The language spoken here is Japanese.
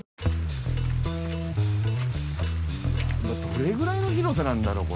どれぐらいの広さなんだろう？